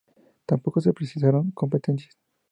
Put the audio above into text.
Tampoco se precisaron competencias.